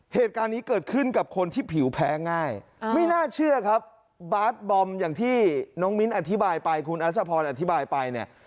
เหตุการณ์นี้เกิดขึ้นกับคนที่ผิวแพ้ง่ายไม่น่าเชื่อครับบาสบอมอย่างที่น้องมิ้นอธิบายไปคุณอัชพรอธิบายไปเนี่ย